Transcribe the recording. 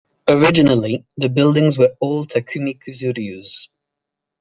Originally, the buildings were all Takumi Kuzuryu's.